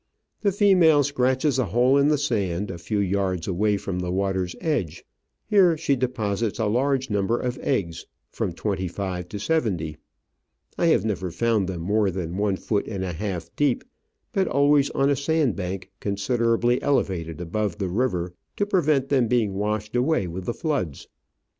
The female scratches a hole in the sand, a few yards away from the water's edge ; here she deposits a large number of eggs — from twenty five to seventy. I have never found them more than one foot and a half deep, but Digitized by VjOOQIC 88 Travels and Adventures always on a sand bank considerably elevated above the river, to prevent them being washed away with the floods.